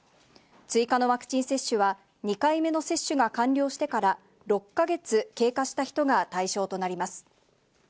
追加のワクチン接種は、２回目の接種が完了してから、６か月経過した人が対象となります。